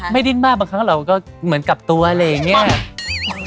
ดิ้นมากบางครั้งเราก็เหมือนกลับตัวอะไรอย่างนี้